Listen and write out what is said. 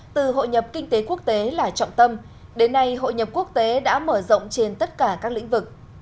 từ hội nhập kinh tế quốc tế là trọng tâm đến nay hội nhập quốc tế đã mở rộng trên tất cả các lĩnh vực